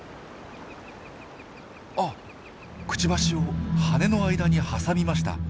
あっクチバシを羽の間に挟みました。